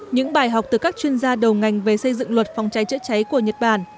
những bài học từ các chuyên gia đầu ngành về xây dựng luật phòng cháy chữa cháy của nhật bản